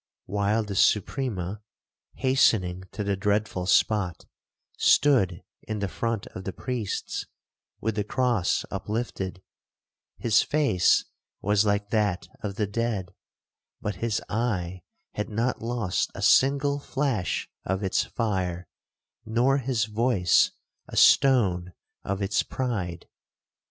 While the Suprema, hastening to the dreadful spot, stood in the front of the priests, with the cross uplifted,—his face was like that of the dead, but his eye had not lost a single flash of its fire, nor his voice a stone of its pride.